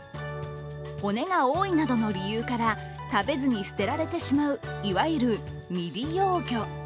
骨が多いなどの理由から食べずに捨てられてしまういわゆる未利用魚。